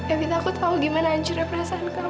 evita aku tahu gimana hancurnya perasaan kamu